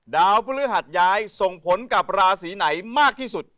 ดาวพฤหัสย้ายส่งผลกับราศีไหนมากที่สุด